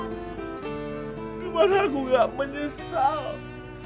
gimana aku gak menyesal